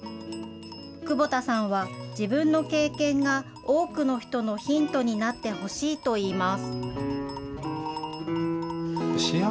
久保田さんは自分の経験が多くの人のヒントになってほしいといいます。